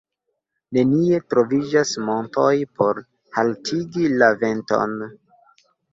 Nenie troviĝas montoj por haltigi la venton.